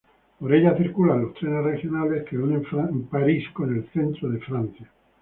Por ella circulan los trenes regionales que unen París con el centro de Francia.